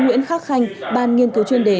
nguyễn khắc khanh ban nghiên cứu chuyên đề